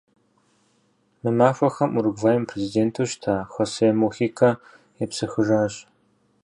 Мы махуэхэм Уругваим и президенту щыта Хосе Мухикэ епсыхыжащ.